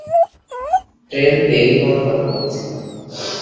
Train দেরি হওয়ার কথা বলছি।